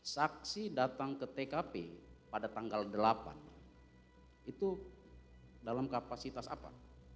saksi datang ke tkp pada tanggal delapan itu dalam kapasitas apa